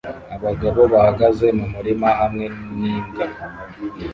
Abagabo bahagaze mu murima hamwe n'imbwa